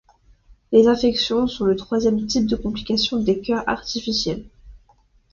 Les infections sont le troisième type de complications des cœurs artificiels.